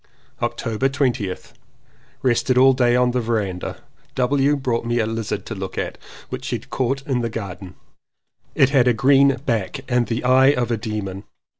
^ October 20th. Rested all day on the verandah. W. brought me a lizard to look at, which he had caught in the garden. It had a green back and the eye of a demon.